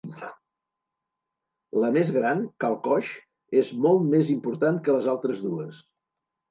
La més gran, Cal Coix, és molt més important que les altres dues.